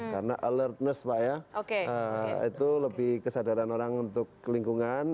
karena alertness pak ya itu lebih kesadaran orang untuk lingkungan